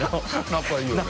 仲いいよね。